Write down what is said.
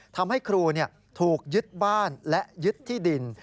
ทำให้ครูถูกยึดบ้านและยึดที่ดิน